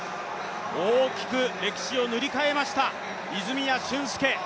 大きく歴史を塗り替えました泉谷駿介。